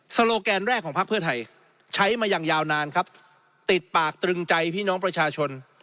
โลแกนแรกของพักเพื่อไทยใช้มาอย่างยาวนานครับติดปากตรึงใจพี่น้องประชาชน